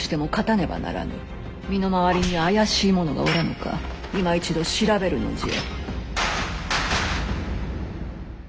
身の回りに怪しい者がおらぬかいま一度調べるのじゃ。